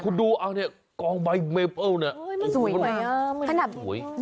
คุณดูกองใบเมเปิลสวยหรือยังที่มันเลยหวาน